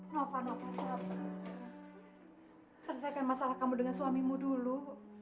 nova nova selesaikan masalah kamu dengan suamimu dulu